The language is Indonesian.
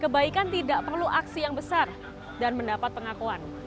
kebaikan tidak perlu aksi yang besar dan mendapat pengakuan